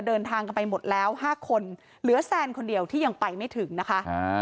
เดินทางกันไปหมดแล้วห้าคนเหลือแซนคนเดียวที่ยังไปไม่ถึงนะคะ